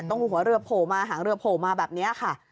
หัวเรือโผล่มาหางเรือโผล่มาแบบนี้ค่ะ